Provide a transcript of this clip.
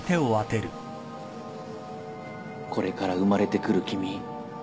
これから生まれてくる君